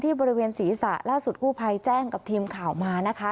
บริเวณศีรษะล่าสุดกู้ภัยแจ้งกับทีมข่าวมานะคะ